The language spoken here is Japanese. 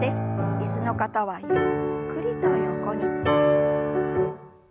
椅子の方はゆっくりと横に。